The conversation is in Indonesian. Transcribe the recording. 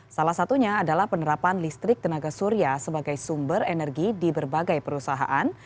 salah satunya adalah penerapan listrik tenaga surya sebagai sumber energi di berbagai perusahaan